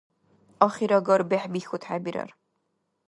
Ахирагар бехӀбихьуд хӀебирар.